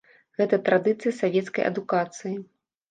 Гэта традыцыя савецкай адукацыі.